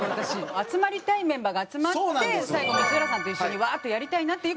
集まりたいメンバーが集まって最後光浦さんと一緒にワーッとやりたいなっていう。